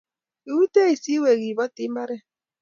Koutche siweek keboti mbaret